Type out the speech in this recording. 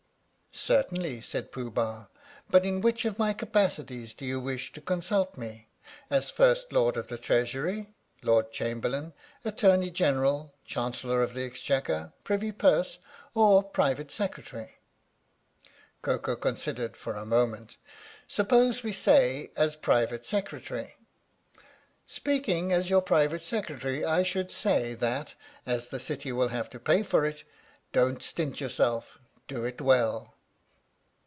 " Certainly," said Pooh Bah. " But in which of my capacities do you wish to consult me? As First Lord of the Treasury, Lord Chamberlain, Attorney General, Chancellor of the Exchequer, Privy Purse or Private Secretary? " 29 THE STORY OF THE MIKADO Koko considered for a moment. " Suppose we say as Private Secretary." " Speaking as your Private Secretary I should say that, as the city will have to pay for it, don't stint yourself do it well."